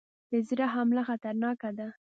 د زړه حمله خطرناکه ده